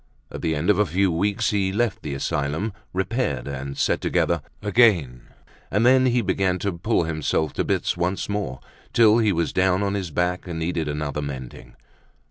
At the end of a few weeks he left the asylum, repaired and set together again, and then he began to pull himself to bits once more, till he was down on his back and needed another mending.